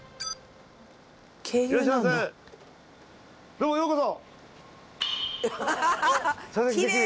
どうもようこそ。